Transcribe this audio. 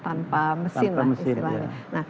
tanpa mesin lah istilahnya